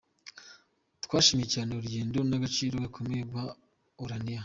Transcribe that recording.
Twashimye cyane urugendo n’agaciro yakomeje guha Orania.